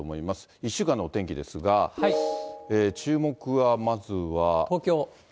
１週間のお天気ですが、注目はま東京。